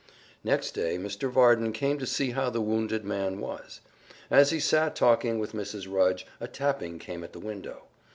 Next day Mr. Varden came to see how the wounded man was. As he sat talking with Mrs. Rudge a tapping came at the window.